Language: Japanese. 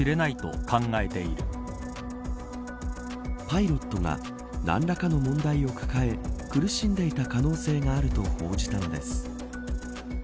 パイロットが何らかの問題を抱え苦しんでいた可能性があると報じたのです。